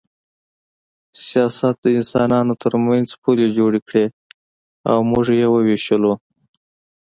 سیاست د انسانانو ترمنځ پولې جوړې کړې او موږ یې ووېشلو